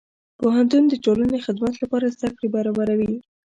پوهنتون د ټولنې خدمت لپاره زدهکړې برابروي.